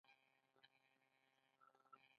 د خلکو استازي وو.